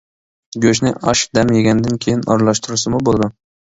گۆشنى ئاش دەم يېگەندىن كېيىن ئارىلاشتۇرسىمۇ بولىدۇ.